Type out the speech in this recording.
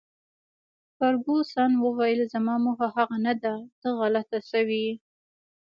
فرګوسن وویل: زما موخه هغه نه ده، ته غلطه شوې.